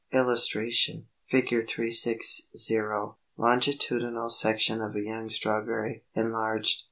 [Illustration: Fig. 360. Longitudinal section of a young strawberry, enlarged.